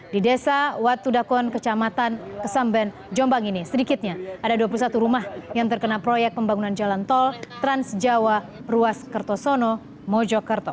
di desa watudakon kecamatan kesamben jombang ini sedikitnya ada dua puluh satu rumah yang terkena proyek pembangunan jalan tol transjawa ruas kertosono mojokerto